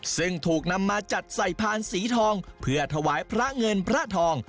ซึ่งถูกนำมาจัดใส่พานสีทองเพื่อถวายพระเงินพระทอง